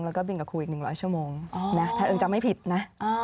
แล้วก็บินกับครูอีก๑๐๐ชั่วโมงนะถ้าเอิงจำไม่ผิดนะ